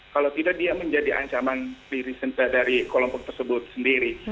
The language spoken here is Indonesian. kalau tidak dia menjadi ancaman birisenta dari kelompok tersebut sendiri